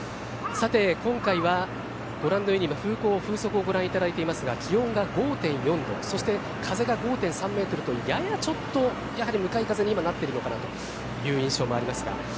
今回はご覧のように風向、風速をご覧いただいていますが気温が５．４度そして風が５．３ｍとややちょっとやはり向かい風に今、なっているのかなという印象もありますが。